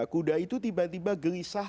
kuda itu tiba tiba gelisah